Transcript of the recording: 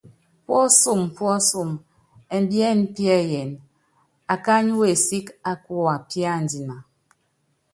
Puɔ́súm puɔ́súm ɛ́mbiɛ́n piɛ́yɛn, akány wesík á kuapíándina.